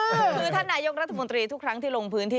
คือท่านนายกรัฐมนตรีทุกครั้งที่ลงพื้นที่